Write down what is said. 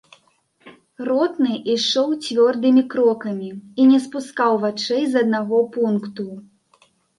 Ротны ішоў цвёрдымі крокамі і не спускаў вачэй з аднаго пункту.